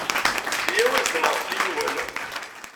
Yya-w ad s-d-naɣet yiwen!